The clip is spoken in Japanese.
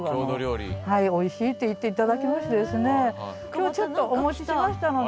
今日ちょっとお持ちしましたので。